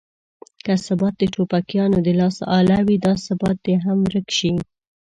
که ثبات د ټوپکیانو د لاس اله وي دا ثبات دې هم ورک شي.